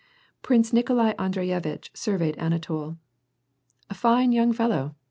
Prince Nikolai Andrevevitch surveyed Anatol. " Fine young follow !